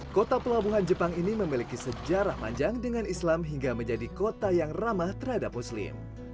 kota pelabuhan jepang ini memiliki sejarah panjang dengan islam hingga menjadi kota yang ramah terhadap muslim